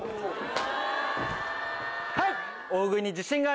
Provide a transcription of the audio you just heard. はい！